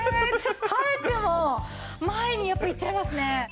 耐えても前にやっぱり行っちゃいますね。